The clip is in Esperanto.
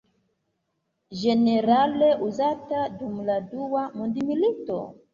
Ĝenerale uzata dum la dua mondmilito.